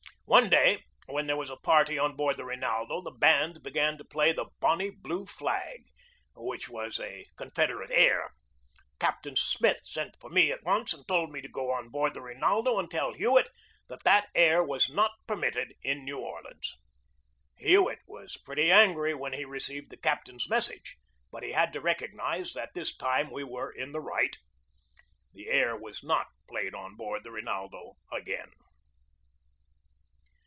One day when there was a party on board the Rinaldo the band began to play the " Bon nie Blue Flag," which was a Confederate air. Cap tain Smith sent for me at once and told me to go on board the Rinaldo and tell Hewett that that air was not permitted in New Orleans. Hewett was pretty angry when he received the captain's mes sage, but he had to recognize that this time we were in the right. The air was not played on board the Rinaldo again.